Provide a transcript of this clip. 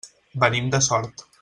Venim de Sort.